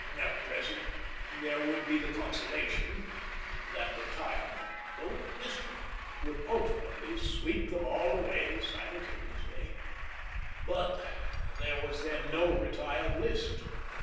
At present there would be the consolation that retirement, though distant, would ultimately sweep them all away nearly simultaneously; but there was then no retired list.